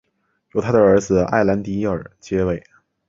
由他的儿子埃兰迪尔接位。